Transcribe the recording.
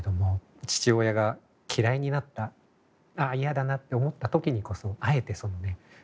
父親が嫌いになった「あ嫌だな」って思った時にこそあえてそのね